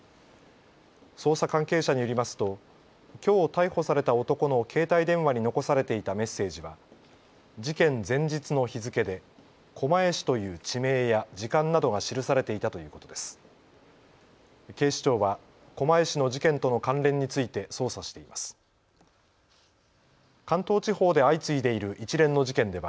捜査関係者によりますときょう逮捕された男の携帯電話に残されていたメッセージは事件前日の日付で狛江市という地名や時間などが記されていたということです。